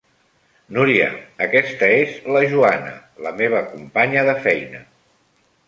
Núria, aquesta és la Joana, la meva companya de feina.